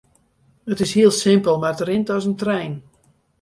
It is hiel simpel mar it rint as in trein.